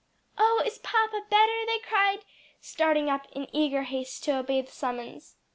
"Oh is papa better?" they cried, starting up in eager haste to obey the summons.